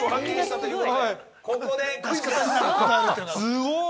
◆すごい！